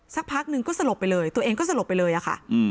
สักพักหนึ่งก็สลบไปเลยตัวเองก็สลบไปเลยอะค่ะ